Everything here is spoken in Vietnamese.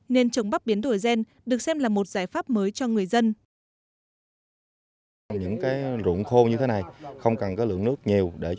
nên trồng bắp biến đổi gen được xem là một giải pháp mới cho người dân